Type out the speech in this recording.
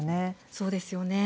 そうですよね。